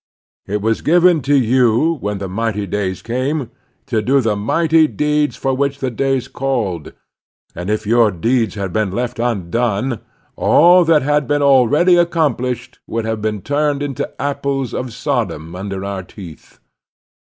It was given to you, when the mighty days came, to do the mighty deeds for which the days called, and if your deeds had been left undone, all that had been already accomplished would have turned into apples of Sodom tmder our teeth.